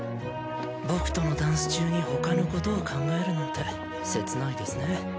僕とのダンス中にほかのことを考えるなんて切ないですね。